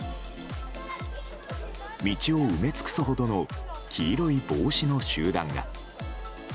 道を埋め尽くすほどの黄色い帽子の集団が。